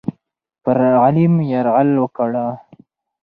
پر غلیم یرغل وکړه.